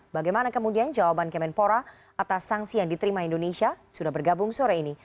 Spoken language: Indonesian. bagaimana kemudian jawaban kemenpora atas sanksi yang diterima indonesia sudah bergabung sore ini